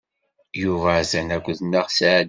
Yuba atan akked Nna Seɛdiya.